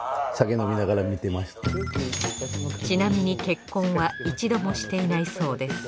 ちなみに結婚は一度もしていないそうです。